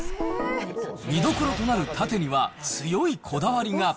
見どころとなるタテには強いこだわりが。